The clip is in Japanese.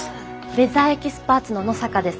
ウェザーエキスパーツの野坂です。